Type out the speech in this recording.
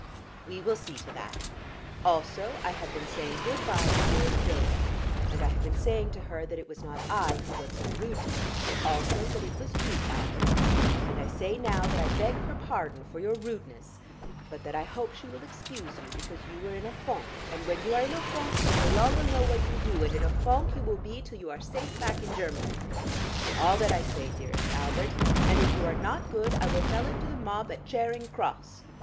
"We will see to that. Also, I have been saying good bye to dearest Dodo, and I have been saying to her that it was not I who was so rude to her, but also that it was you, Albert. And I say now that I beg her pardon for your rudeness, but that I hope she will excuse you because you were in a fonk, and when you are in a fonk, you no longer know what you do, and in a fonk you will be till you are safe back in Germany. All that I say, dearest Albert, and if you are not good I will tell it to the mob at Charing Cross.